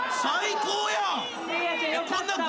最高やん。